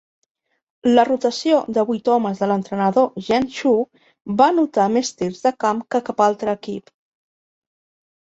La rotació de vuit homes de l'entrenador Gene Shue va anotar més tirs de camp que cap altre equip.